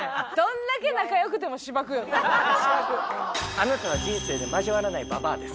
あなたは人生で交わらないババアです。